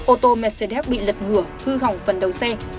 ô tô mercedes bị lật ngửa hư hỏng phần đầu xe